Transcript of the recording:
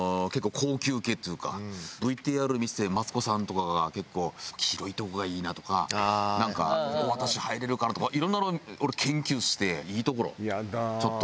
ＶＴＲ見ててマツコさんとかが結構「広いとこがいいな」とかなんか「ここ私入れるかな？」とかいろんなのを俺研究していい所ちょっと。